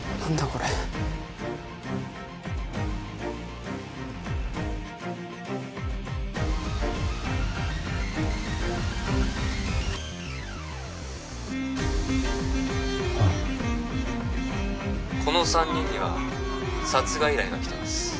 これあっこの３人には殺害依頼が来てます